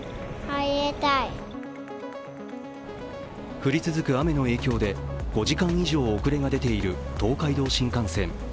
降り続く雨の影響で５時間以上遅れが出ている東海道新幹線。